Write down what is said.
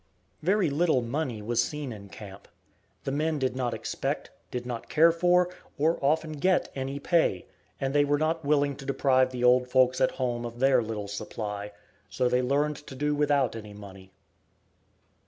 Very little money was seen in camp. The men did not expect, did not care for, or often get any pay, and they were not willing to deprive the old folks at home of their little supply, so they learned to do without any money.